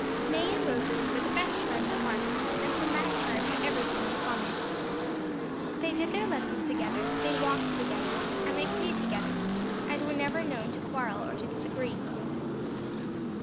May and Rosalie were the best friends at once, and from that time had everything in common. They did their lessons together, they walked together, and they played together, and were never known to quarrel or to disagree.